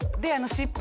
湿布？